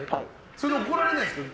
それ怒られないですか。